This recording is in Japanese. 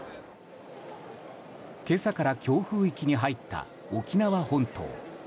今朝から強風域に入った沖縄本島。